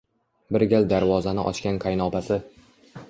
Bir gal darvozani ochgan qaynopasi